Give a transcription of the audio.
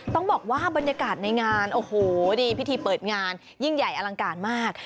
ต้องบอกว่าบรรยากาศในงานโอ้โหดีพิธีเปิดงานยิ่งใหญ่อลังการมาก